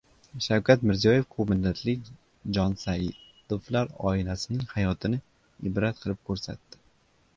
Shavkat Mirziyoyev ko‘pmillatli Jonsaidovlar oilasining hayotini ibrat qilib ko‘rsatdi